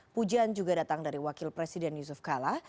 pujian juga datang dari wakil presiden yusuf kala